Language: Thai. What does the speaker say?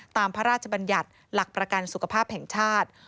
พระราชบัญญัติหลักประกันสุขภาพแห่งชาติ